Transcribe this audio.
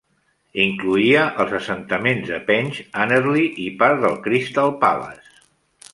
Incloïa els assentaments de Penge, Anerley i part del Crystal Palace.